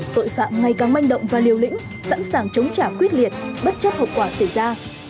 tội phạm ngày càng manh động và liều lĩnh sẵn sàng chống trả quyết liệt bất chấp hậu quả xảy ra